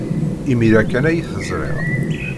Imir-a kan ay t-ẓriɣ.